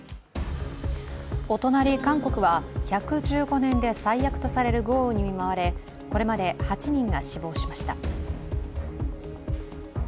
お隣、韓国は１１５年で最悪とされる豪雨に見舞われこれまで８人が死亡しました。